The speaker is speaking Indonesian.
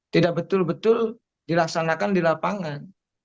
tidak betul betul dilaksanakan di lapangan